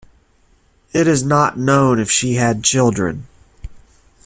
It is not known if she had children.